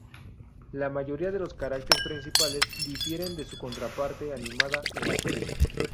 La mayoría de los caracteres principales difieren de su contraparte animada en la serie.